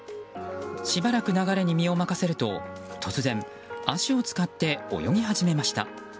しばらく流れに身を任せると突然、足を使って泳ぎ始めました。